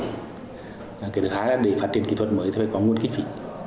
cái thứ hai là để phát triển kỹ thuật mới thì phải có nguồn kinh phí